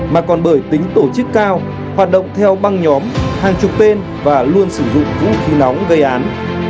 mà còn bởi tính tổ chức cao hoạt động theo băng nhóm hàng chục tên và luôn sử dụng vũ khí nóng gây án